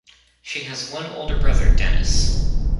She has one older brother, Dennis.